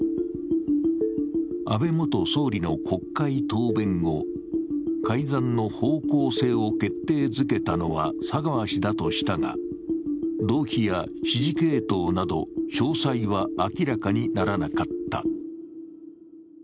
安倍元総理の国会答弁後、改ざんの方向性を決定づけたのは佐川氏だとしたが動機や指示系統など詳細は明らかにならなかった。